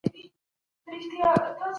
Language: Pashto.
هغه په کوڅه کي روان و.